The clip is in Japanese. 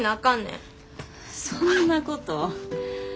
そんなこと。